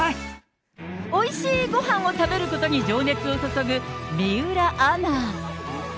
おいしいごはんを食べることに情熱を注ぐ水卜アナ。